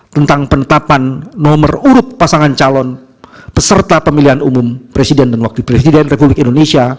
tentang penetapan nomor urut pasangan calon peserta pemilihan umum presiden dan wakil presiden republik indonesia